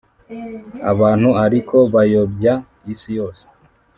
abantu ariko bayobya isi yose